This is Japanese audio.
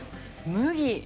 麦。